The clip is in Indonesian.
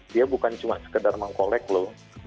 dia bukan cuma sekedar meng collect loh